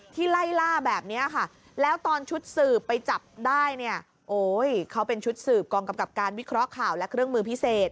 ไล่ล่าแบบนี้ค่ะแล้วตอนชุดสืบไปจับได้เนี่ยโอ้ยเขาเป็นชุดสืบกองกำกับการวิเคราะห์ข่าวและเครื่องมือพิเศษ